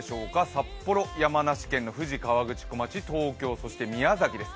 札幌、山梨県の富士河口湖町、東京、そして宮崎です。